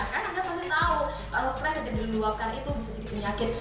karena kita pasti tahu kalau stres yang diluapkan itu bisa jadi penyakit